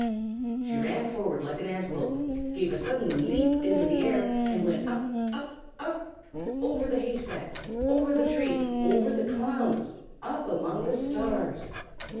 She ran forward like an antelope, gave a sudden leap into the air, and went up, up, up, over the haystacks, over the trees, over the clouds, up among the stars.